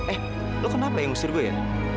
eh lo kenapa yang ngusir gue ya